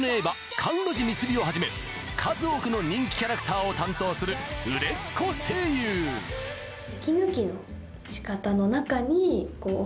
甘露寺蜜璃をはじめ数多くの人気キャラクターを担当する売れっ子声優え